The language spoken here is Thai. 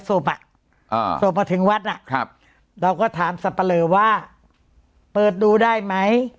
สวบอ่าสวบมาถึงวัดอ่ะครับเราก็ถามสัมปะเลว่าเปิดดูได้ไหม